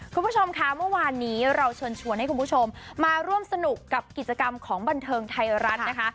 คุณผู้ชมค่ะเมื่อวานนี้เราเชิญชวนให้คุณผู้ชมมาร่วมสนุกกับกิจกรรมของบันเทิงไทยรัฐนะคะ